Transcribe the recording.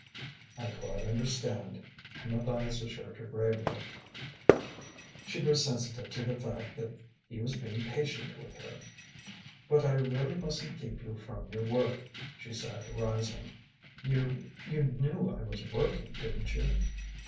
"I quite understand," Matthias assured her gravely. She grew sensitive to the fact that he was being patient with her. "But I really mustn't keep you from your work," she said, rising. "You you knew I was working, didn't you?"